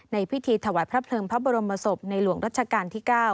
พิธีถวายพระเพลิงพระบรมศพในหลวงรัชกาลที่๙